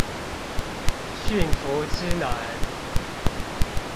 馴服之難